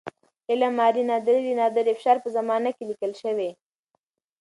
عالم آرای نادري د نادر افشار په زمانه کې لیکل شوی.